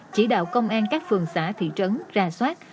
chỉ đạo công an các phường xã thị trấn ra soát